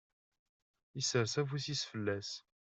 Isers afus-is fell-as.